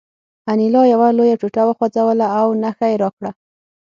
انیلا یوه لویه ټوټه وخوځوله او نښه یې راکړه